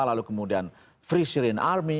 lalu kemudian free syrien army